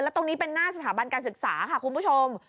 ตรงนี้เป็นหน้าสถาบันการศึกษาค่ะคุณผู้ชม